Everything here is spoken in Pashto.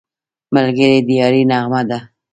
ملګری د یارۍ نغمه ده